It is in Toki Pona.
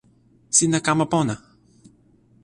sina kama pona!